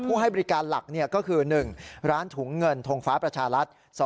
ให้บริการหลักก็คือ๑ร้านถุงเงินทงฟ้าประชารัฐ